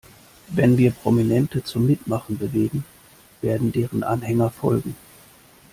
Wenn wir Prominente zum Mitmachen bewegen, werden deren Anhänger folgen.